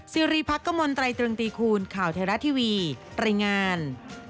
สิริภักษ์กระมวลไตรเตืองตีคูณข่าวไทยรัฐทีวีตรงงาน